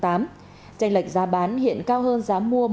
tranh lệch giá bán hiện cao hơn giá mua